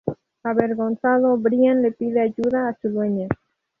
Avergonzado, Brian le pide ayuda a su dueña.